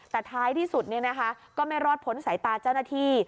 แต่ท้ายที่สุดก็ไม่รอดพ้นสายตาเจ้าหน้าที่